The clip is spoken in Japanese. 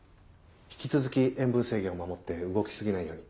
引き続き塩分制限を守って動き過ぎないように。